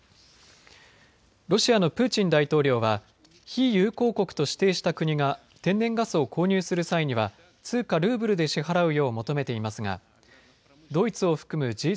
ロシアのプーチン大統領は非友好国と指定した国が天然ガスを購入する際には通貨ルーブルで支払うよう求めていますがドイツを含むＧ７